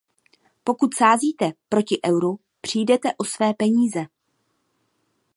Pokud sázíte proti euru, přijdete o své peníze.